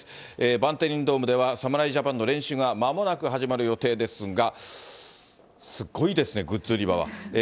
バンテリンドームでは、侍ジャパンの練習がまもなく始まる予定ですが、すごいですね、グッズ売り場は。